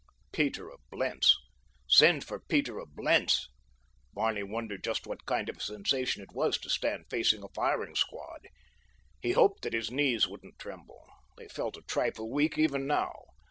Peter of Blentz. Send for Peter of Blentz! Barney wondered just what kind of a sensation it was to stand facing a firing squad. He hoped that his knees wouldn't tremble—they felt a trifle weak even now.